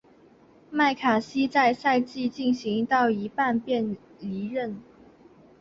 麦卡锡在赛季进行到一半便离任。